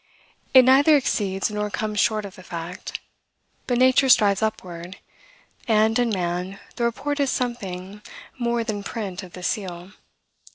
It neither exceeds nor comes short of the fact. But nature strives upward; and, in man, the report is something more than print of the seal.